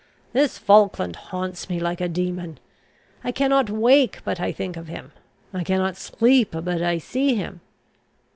This Falkland haunts me like a demon. I cannot wake but I think of him. I cannot sleep but I see him.